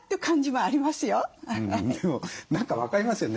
でも何か分かりますよね。